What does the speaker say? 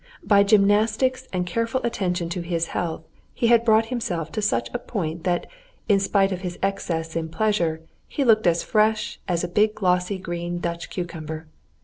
By gymnastics and careful attention to his health he had brought himself to such a point that in spite of his excess in pleasure he looked as fresh as a big glossy green Dutch cucumber.